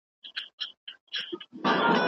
هره کورنۍ چې روغ عادتونه ولري، اندېښنه نه ډېروي.